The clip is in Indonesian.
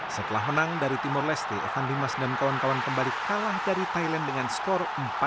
setelah menang dari timor leste evan dimas dan kawan kawan kembali kalah dari thailand dengan skor empat satu